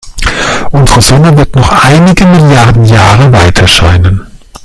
Unsere Sonne wird noch einige Milliarden Jahre weiterscheinen.